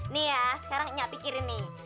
nih ya sekarang nyak pikirin nih